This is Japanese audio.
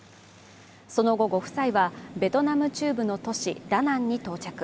その後、ご夫妻はベトナム中部の都市ダナンに到着。